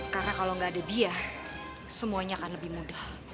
karena kalau gak ada dia semuanya akan lebih mudah